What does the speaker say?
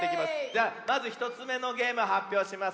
ではまず１つめのゲームはっぴょうします。